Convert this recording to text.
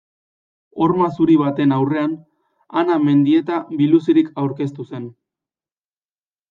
Horma zuri baten aurrean, Ana Mendieta biluzik aurkeztu zen.